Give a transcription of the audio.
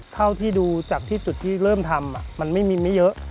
เท่าที่ดูจากที่จุดที่เริ่มทำมันไม่เยอะ